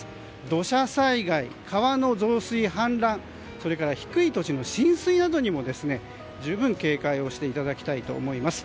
土砂災害、川の増水、氾濫それから低い土地の浸水などにも十分警戒していただきたいと思います。